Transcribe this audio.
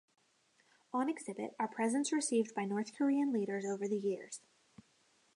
On exhibit are presents received by North Korean leaders over the years.